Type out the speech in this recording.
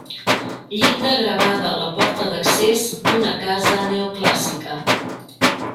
Llinda gravada a la porta d'accés d'una casa neoclàssica.